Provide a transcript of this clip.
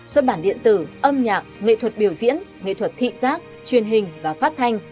xuất bản in